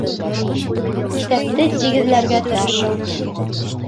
Иҫәпте тигеҙләргә тырышыу